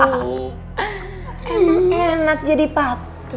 emang enak jadi paktu